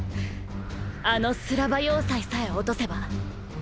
あのスラバ要塞さえ陥とせば。